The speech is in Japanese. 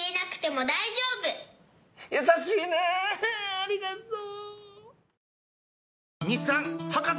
優しいねありがとう。